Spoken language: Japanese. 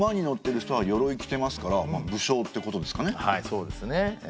そうですねえ。